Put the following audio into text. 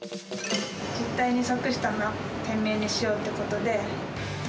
実態に即した店名にしようってことで。